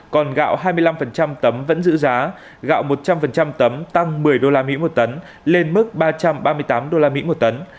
còn gạo hai mươi năm tấm vẫn giữ giá gạo một trăm linh tấm tăng một mươi usd một tấn lên mức ba trăm ba mươi tám usd một tấn